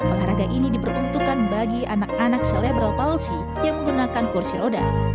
olahraga ini diperuntukkan bagi anak anak selebral palsi yang menggunakan kursi roda